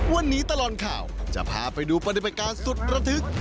วันนี้ตลอดข่าวจะพาไปดูปฏิบัติการสุดระทึก